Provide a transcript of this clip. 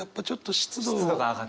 湿度が上がって。